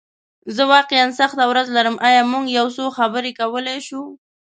زه واقعیا سخته ورځ لرم، ایا موږ یو څه خبرې کولی شو؟